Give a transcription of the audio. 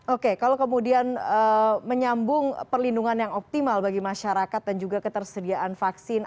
oke kalau kemudian menyambung perlindungan yang optimal bagi masyarakat dan juga ketersediaan vaksin